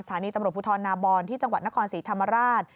สถานีตำรวจภูทรนาบอนที่จังหวัดนครศรีธรรมราช